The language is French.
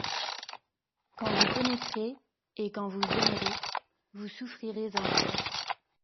Quand vous connaîtrez et quand vous aimerez, vous souffrirez encore.